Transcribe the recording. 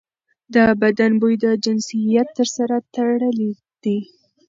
د بدن بوی د جنسیت سره تړلی دی.